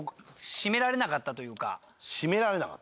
閉められなかった。